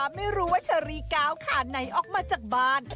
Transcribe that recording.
ไม่รู้ว่าชะลีก้าวค่ะไหนออกมาจากบ้าน